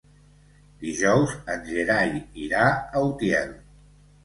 Dijous en Gerai irà a Utiel.